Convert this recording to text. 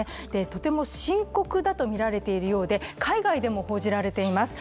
とても深刻だとみられているようで、海外でも報じられています。